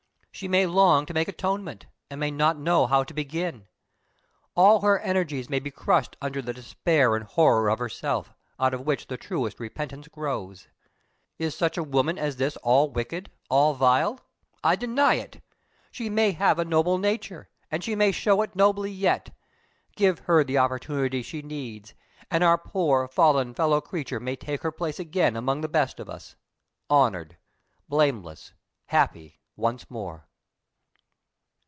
She may long to make atonement, and may not know how to begin. All her energies may be crushed under the despair and horror of herself, out of which the truest repentance grows. Is such a woman as this all wicked, all vile? I deny it! She may have a noble nature; and she may show it nobly yet. Give her the opportunity she needs, and our poor fallen fellow creature may take her place again among the best of us honored, blameless, happy, once more!"